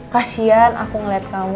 kasian aku ngeliat kamu